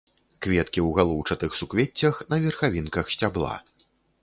Кветкі ў галоўчатых суквеццях на верхавінках сцябла.